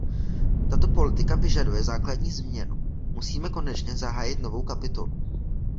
Tato politika vyžaduje základní změnu, musíme konečně zahájit novou kapitolu.